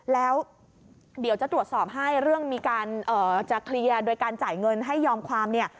แล้วเดี๋ยวจะตรวจสอบให้เรื่องมีการจะเคลียร์โดยการจ่ายเงินให้ยอมความเนี่ย